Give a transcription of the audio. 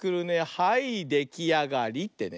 はいできあがりってね。